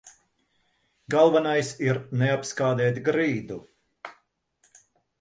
Galvenais ir neapskādēt grīdu.